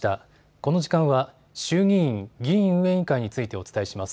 この時間は、衆議院議院運営委員会についてお伝えします。